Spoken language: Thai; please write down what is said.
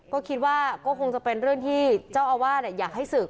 ก็คิดว่าก็คงจะเป็นเรื่องที่เจ้าอาวาสอยากให้ศึก